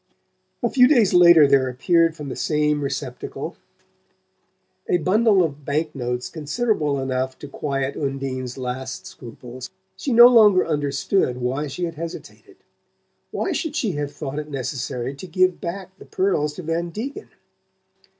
A few days later there appeared from the same receptacle a bundle of banknotes considerable enough to quiet Undine's last scruples. She no longer understood why she had hesitated. Why should she have thought it necessary to give back the pearls to Van Degen?